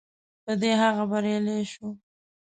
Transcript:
په دې هغه بریالی شو.